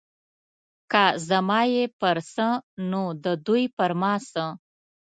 که زما یې پر څه نو د دوی پر ما څه.